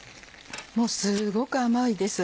もうすごく甘いです。